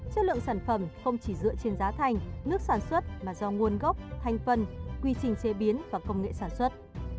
chất lượng sản phẩm không chỉ dựa trên giá thành nước sản xuất mà do nguồn gốc thanh phần quy trình chế biến và công nghệ sản xuất